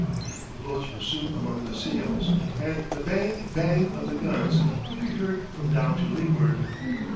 The boats were soon among the seals, and the bang! bang! of the guns could be heard from down to leeward.